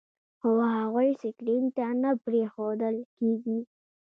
خو هغوی سکرین ته نه پرېښودل کېږي.